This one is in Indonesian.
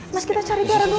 mas kita cari garam dulu